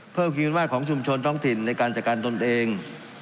คิดว่าของชุมชนท้องถิ่นในการจัดการตนเอง